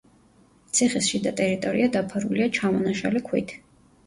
ციხის შიდა ტერიტორია დაფარულია ჩამონაშალი ქვით.